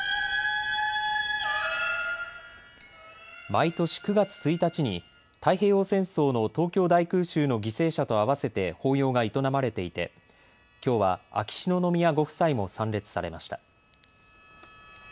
毎年９月１日に太平洋戦争の東京大空襲の犠牲者と合わせて法要が営まれていてきょうは秋篠宮ご夫妻も参列されました。